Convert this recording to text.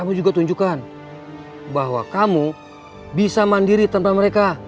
aku juga tunjukkan bahwa kamu bisa mandiri tanpa mereka